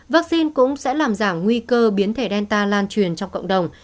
vaccine cũng sẽ làm giảm nguy cơ biến thể gelta lan truyền trong cộng đồng